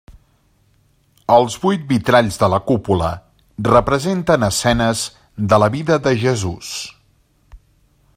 Els vuit vitralls de la cúpula representen escenes de la vida de Jesús.